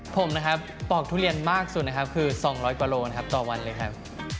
ผมนะครับปอกทุเรียนมากสุดนะครับคือ๒๐๐กว่าโลนะครับต่อวันเลยครับ